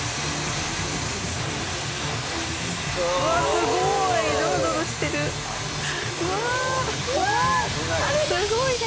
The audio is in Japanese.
すごいね。